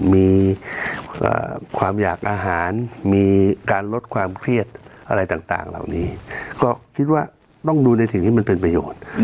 มีความอยากอาหารมีการลดความเครียดอะไรต่างเหล่านี้ก็คิดว่าต้องดูในสิ่งที่มันเป็นประโยชน์